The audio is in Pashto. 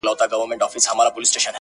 چې له پسول او سینګاره ماورا ده